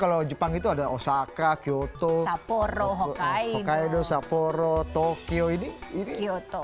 kalau jepang itu ada osaka kyoto sapporo hokkaido sapporo tokyo ini ini kyoto